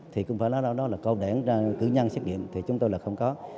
thì cũng phải nói rõ đó là câu đảng cử nhân xét nghiệm thì chúng tôi là không có